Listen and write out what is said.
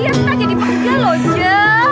iya pak jadi panggil loh jeng